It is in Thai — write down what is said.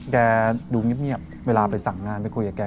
แกดูเงียบเวลาไปสั่งงานไปคุยกับแก